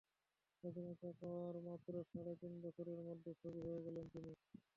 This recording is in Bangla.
স্বাধীনতা পাওয়ার মাত্র সাড়ে তিন বছরের মধ্যে ছবি হয়ে গেলেন তিনি।